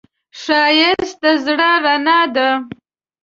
ښایست د زړه رڼا ده